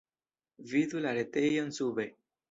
Vidu la retejon sube.